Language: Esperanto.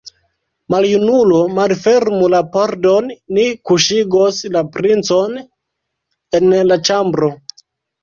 Maljunulo, malfermu la pordon, ni kuŝigos la princon en la ĉambro!